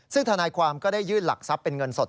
ซึ่งธนายความก็ได้ยื่นหลักทรัพย์เป็นเงินสด